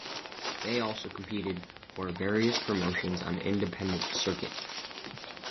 They also competed for various promotions on independent circuit.